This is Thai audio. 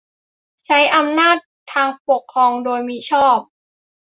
- ใช้อำนาจทางปกครองโดยมิชอบ